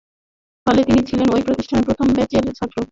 ফলে তিনি ছিলেন এই প্রতিষ্ঠানের প্রথম ব্যাচের ছাত্র।